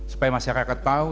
supaya masyarakat tahu